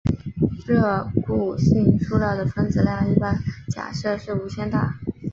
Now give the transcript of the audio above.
热固性塑料的分子量一般假设是无限大。